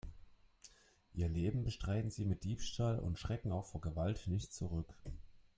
Ihr Leben bestreiten sie mit Diebstahl und schrecken auch vor Gewalt nicht zurück.